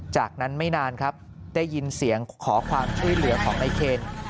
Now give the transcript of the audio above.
จากนั้นไม่นานครับได้ยินเสียงขอความช่วยเหลือของนายเคน